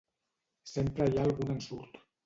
Sempre hi ha algun ensurt.